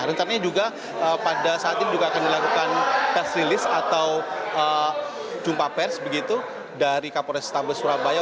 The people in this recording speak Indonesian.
rencananya juga pada saat ini juga akan dilakukan press release atau jumpa pers begitu dari kapolrestabes surabaya